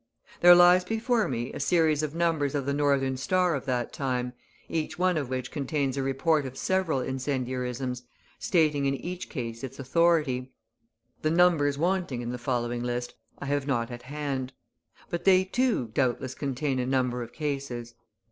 There lies before me a series of numbers of the Northern Star of that time, each one of which contains a report of several incendiarisms, stating in each case its authority. The numbers wanting in the following list I have not at hand; but they, too, doubtless contain a number of cases.